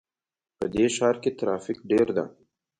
په دې ښار کې ترافیک ډېر ده